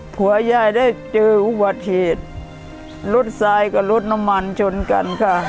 ผัวยายได้เจออุบัติเหตุรถทรายกับรถน้ำมันชนกันค่ะ